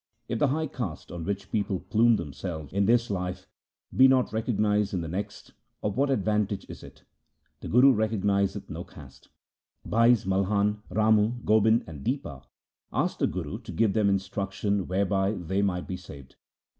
If the high caste on which people plume themselves in this life be not recognized in the next, of what advantage is it ? The Guru recognize th no caste.' Bhais Malhan, Ramu, Gobind, and Dipa asked the Guru to give them instruction whereby they might be saved.